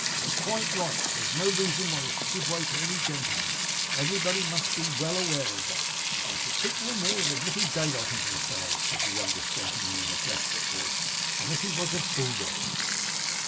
And quite right. There is no reason why you should give way to any gentleman. Everybody must be well aware of that.' 'I should think no more of admitting daylight into the fellow,' said the youngest gentleman, in a desperate voice, 'than if he was a bulldog.